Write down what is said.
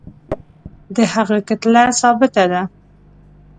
د هغه کتله ثابته ده.